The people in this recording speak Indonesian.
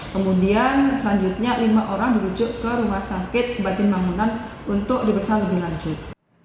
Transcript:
kemudian selanjutnya lima orang dirucuk ke rumah sakit kembali ke bangunan untuk dibesarkan lebih lanjut